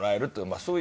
そうそう。